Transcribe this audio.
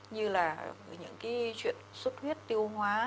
như là những cái chuyện suốt huyết tiêu hóa